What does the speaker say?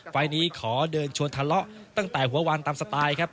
ไฟล์นี้ขอเดินชวนทะเลาะตั้งแต่หัววันตามสไตล์ครับ